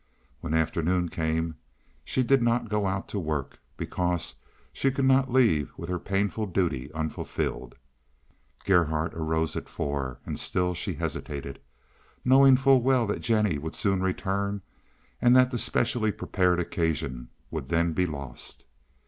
When afternoon came she did not go out to work, because she could not leave with her painful duty unfulfilled. Gerhardt arose at four, and still she hesitated, knowing full well that Jennie would soon return and that the specially prepared occasion would then be lost.